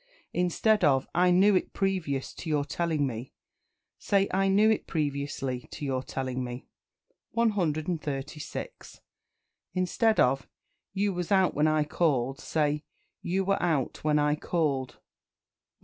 Instead of "I knew it previous to your telling me," say "I knew it previously to your telling me." 136. Instead of "You was out when I called," say "You were out when I called." 137.